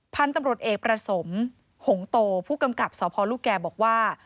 พันธุ์ตำรวจเอกประสมหงโตผู้กำกับสพลูกแก่บอกว่า